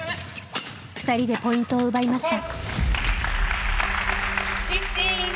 ふたりでポイントを奪いました。